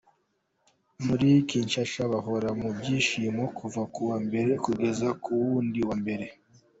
Muri Kinshasa bahora mu byishimo kuva ku wa Mbere kugeza ku wundi wa Mbere.